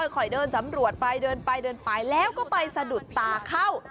ค่อยเดินสำรวจไปเดินไปเดินไปแล้วก็ไปสะดุดตาเข้า